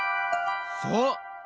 そう！